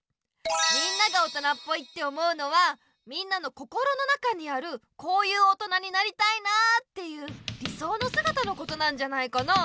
みんなが大人っぽいって思うのはみんなの心の中にある「こういう大人になりたいな」っていう理想のすがたのことなんじゃないかな。